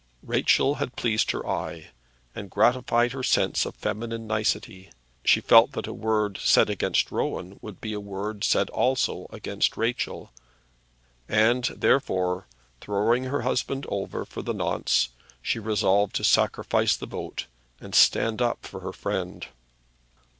Rachel had pleased her eye, and gratified her sense of feminine nicety. She felt that a word said against Rowan would be a word said also against Rachel; and therefore, throwing her husband over for the nonce, she resolved to sacrifice the vote and stand up for her friend.